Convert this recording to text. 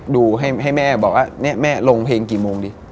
ดูให้แม่บอกว่าเนี่ยแม่ลงเพลงกี่โมงดิ